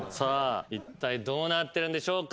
いったいどうなってるんでしょうか。